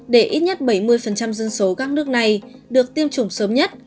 để ít nhất bảy mươi dân số các nước này được tiêm chủng sớm nhất